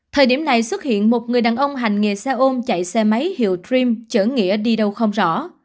thời điểm này xuất hiện một người đàn ông hành nghề xe ôm chạy xe máy hiệu dream chở nghĩa đi đâu không rõ